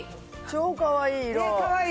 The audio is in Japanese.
超かわいい、色。